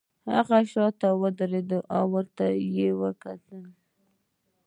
هغه شاته ودریده او ورته یې وکتل